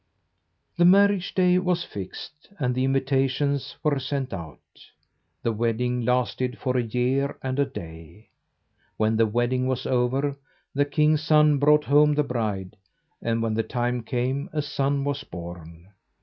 The marriage day was fixed, and the invitations were sent out. The wedding lasted for a year and a day. When the wedding was over, the king's son brought home the bride, and when the time came a son was born.